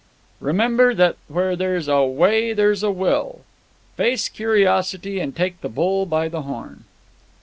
"Remember that where there's a way there's a will. Face curiosity and take the bull by the horn."